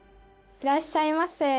「いらっしゃいませ。